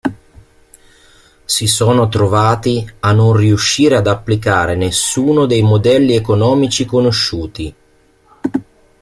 Si sono trovati a non riuscire ad applicare nessuno dei modelli economici conosciuti.